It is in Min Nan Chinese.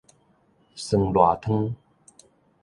酸辣湯